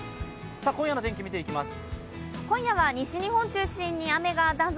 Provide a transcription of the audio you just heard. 今夜の天気、見ていきます。